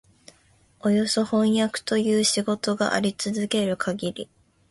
およそ飜訳という仕事があり続けるかぎり、